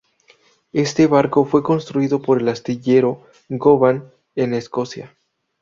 Este barco fue construido por el astillero "Govan", en Escocia.